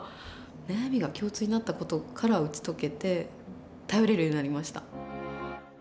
悩みが共通になった事から打ち解けて頼れるようになりました。